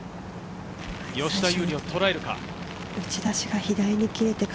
吉田優利を捉えるか？